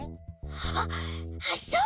あっあっそっか！